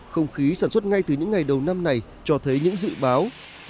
không khí sản xuất ngay từ những ngày đầu năm này cho thấy những dự báo